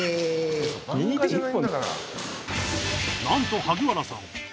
なんと萩原さん